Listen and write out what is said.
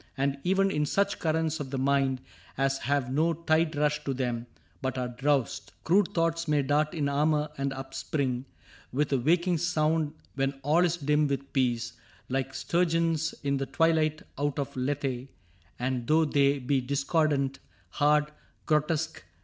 And even in such currents of the mind As have no tide rush to them, but are drowsed. Crude thoughts may dart in armor and upspring With a waking sound, when all is dim with peace, Like sturgeons in the twilight out of Lethe ; And though they be discordant, hard, grotesque.